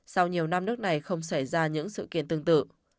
sau nhiều năm nước này không xảy ra những sự kiện tương tự